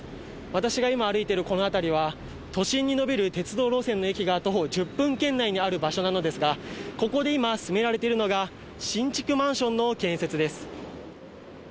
私が今歩いているこの辺りは、都心に延びる鉄道路線の駅が徒歩１０分圏内にある場所なのですが、ここで今、進められているのが新築マンションの建設です。